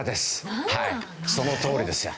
そのとおりですよ。